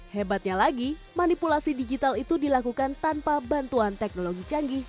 hebatnya lagi manipulasi digital itu dilakukan tanpa bantuan teknologi canggih